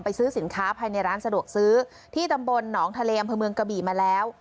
ซื้อสินค้าภายในร้านสะดวกซื้อที่ตำบลหนองทะเลอำเภอเมืองกะบี่มาแล้ว